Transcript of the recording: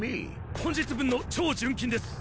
本日分の超純金です。